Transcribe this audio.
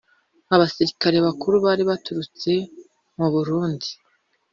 Abasirikare bakuru bari baturutse mu Burundi